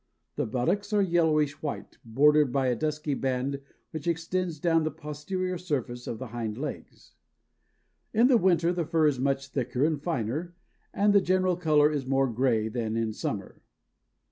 The buttocks are yellowish white, bordered by a dusky band which extends down the posterior surface of the hind legs." In winter the fur is much thicker and finer and the general color is more gray than in summer.